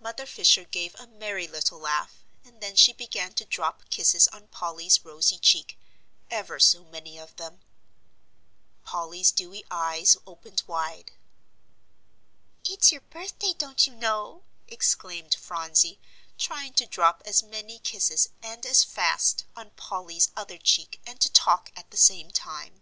Mother Fisher gave a merry little laugh, and then she began to drop kisses on Polly's rosy cheek ever so many of them. Polly's dewy eyes opened wide. "It's your birthday, don't you know!" exclaimed Phronsie, trying to drop as many kisses and as fast, on Polly's other cheek, and to talk at the same time.